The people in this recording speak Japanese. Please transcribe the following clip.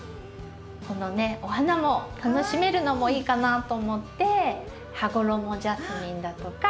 このねお花も楽しめるのもいいかなと思ってハゴロモジャスミンだとか。